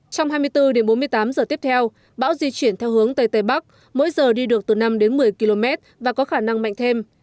trong hai mươi bốn đến bốn mươi tám giờ tiếp theo bão di chuyển theo hướng tây tây bắc mỗi giờ đi được từ năm đến một mươi km và có khả năng mạnh thêm